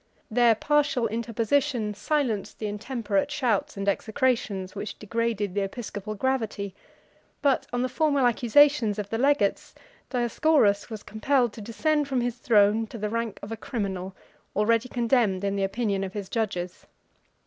62 Their partial interposition silenced the intemperate shouts and execrations, which degraded the episcopal gravity; but, on the formal accusation of the legates, Dioscorus was compelled to descend from his throne to the rank of a criminal, already condemned in the opinion of his judges.